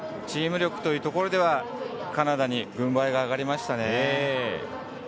チーム力というところではカナダに軍配が上がりましたね。